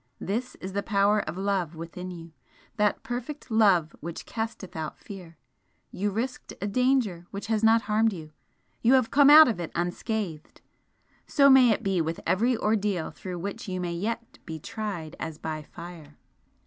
This is the power of love within you that perfect love which casteth out fear! You risked a danger which has not harmed you you have come out of it unscathed, so may it be with every ordeal through which you may yet be tried as by fire!"